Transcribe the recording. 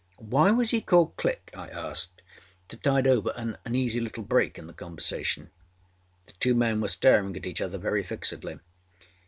âWhy was he called Click?â I asked to tide over an uneasy little break in the conversation. The two men were staring at each other very fixedly.